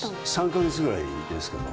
３か月ぐらいですけど。